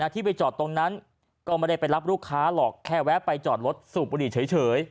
ที่ไปจอดตรงนั้นก็ไม่ได้ไปรับลูกค้าหรอกแค่แวะไปจอดรถสูบบุหรี่เฉย